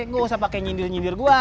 nggak usah pake nyindir nyindir gue